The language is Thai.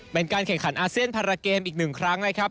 เป็นการแข่งขันอาเซียนพาราเกมอีก๑ครั้งนะครับ